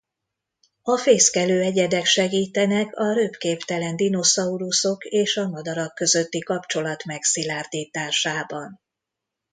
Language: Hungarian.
A fészkelő egyedek segítenek a röpképtelen dinoszauruszok és a madarak közötti kapcsolat megszilárdításában.